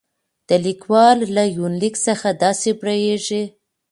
د ليکوال له يونليک څخه داسې برېښي